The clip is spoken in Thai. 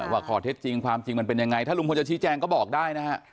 ว่าข้อเท็จจริงความจริงมันเป็นยังไงถ้าลุงพลจะชี้แจงก็บอกได้นะฮะ